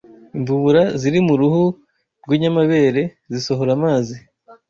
Imvubura ziri mu ruhu rw’inyamabere zisohora amazi